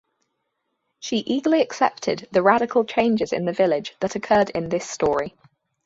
She eagerly accepted the radical changes in the village that occurred in this story.